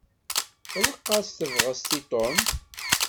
Tlaq-as tebɣest i Tom.